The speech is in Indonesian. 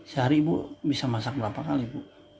sehari ibu bisa masak berapa kali bu